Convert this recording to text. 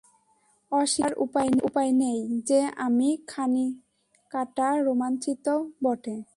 অস্বীকার করার উপায় নেই যে আমি খানিকাটা রোমাঞ্চিতও বটে!